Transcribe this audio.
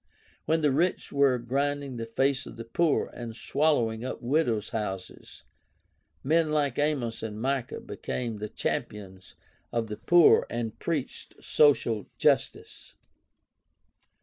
When the rich were grinding the face of the poor and swallowing up widows' houses, men like Amos and Micah became the champions of the poor and preached social justice.